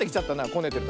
こねてる。